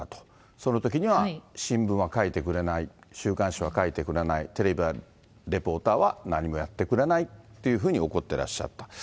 そのときには新聞は書いてくれない、週刊誌は書いてくれない、テレビは、レポーターは何もやってくれないっていうふうに怒ってらっしゃった。